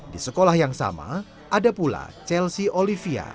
di sekolah yang sama ada pula chelsea olivia